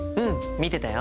見てたよ。